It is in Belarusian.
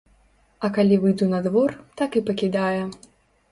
А калі выйду на двор, так і пакідае.